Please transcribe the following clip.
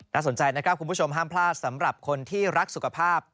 สนใจนะครับคุณผู้ชมห้ามพลาดสำหรับคนที่รักสุขภาพ